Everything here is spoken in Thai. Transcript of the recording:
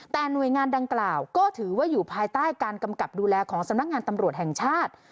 แต่หน่วยงานดังกล่าวก็ถือว่าอยู่ภายใต้การกำกับดูแลของสำนักงานตำรวจแห่งชาติ